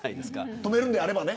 止めるんであればね。